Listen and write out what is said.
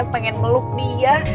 pengen meluk dia